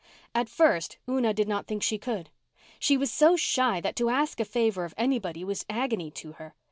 At first Una did not think she could. She was so shy that to ask a favour of anybody was agony to her.